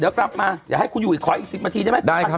เดี๋ยวกลับมาอย่าให้คุณอยู่อีกขออีก๑๐นาทีได้ไหม